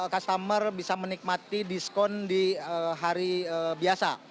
customer bisa menikmati diskon di hari biasa